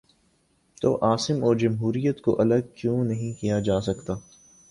تو عاصم اور جمہوریت کو کیوں الگ نہیں کیا جا سکتا؟